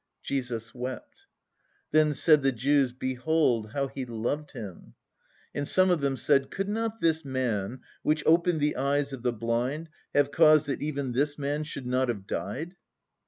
"Jesus wept. "Then said the Jews, behold how He loved him! "And some of them said, could not this Man which opened the eyes of the blind, have caused that even this man should not have died?"